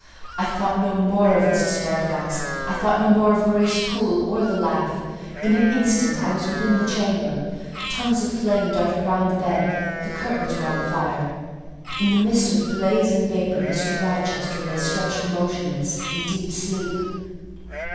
I thought no more of Mrs. Fairfax; I thought no more of Grace Poole, or the laugh: in an instant, I was within the chamber. Tongues of flame darted round the bed: the curtains were on fire. In the midst of blaze and vapour, Mr. Rochester lay stretched motionless, in deep sleep.